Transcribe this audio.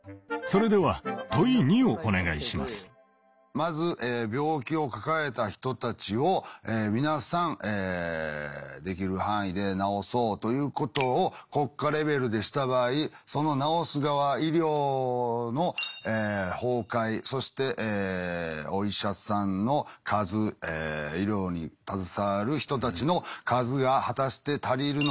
まず病気を抱えた人たちを皆さんできる範囲で治そうということを国家レベルでした場合その治す側医療の崩壊そしてお医者さんの数医療に携わる人たちの数が果たして足りるのか。